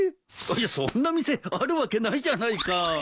いやそんな店あるわけないじゃないか。